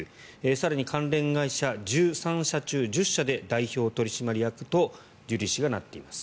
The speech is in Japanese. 更に関連会社１３社中１０社で代表取締役とジュリー氏がなっています。